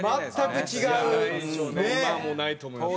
今はもうないと思います。